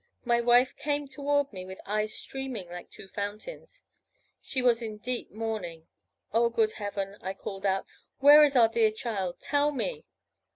My wife came toward me with eyes streaming like two fountains; she was in deep mourning. 'Oh, good Heaven!' I called out, 'where is our dear child? Tell me?'